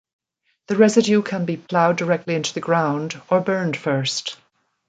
The residue can be ploughed directly into the ground, or burned first.